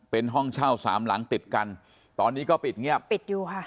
เป็นห้องเช่าสามหลังติดกันตอนนี้ก็ปิดเงียบปิดอยู่ค่ะ